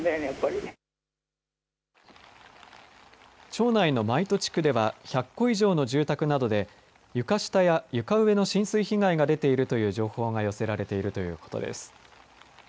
町内の舞戸地区では１００戸以上の住宅などで床下や床上の浸水被害が出ているという情報が寄せられているということです。